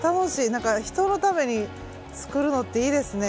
なんか人のために作るのっていいですね。